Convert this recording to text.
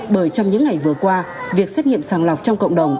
bởi trong những ngày vừa qua việc xét nghiệm sàng lọc trong cộng đồng